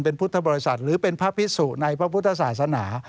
เป็นพุทธบริษัทหรือเป็นพระพิสุในพระพุทธศาสนา